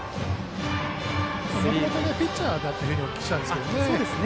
もともとピッチャーだとお聞きしたんですけどね。